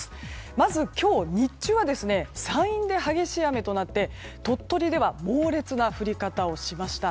まず、今日の日中は山陰で激しい雨となって鳥取では猛烈な降り方をしました。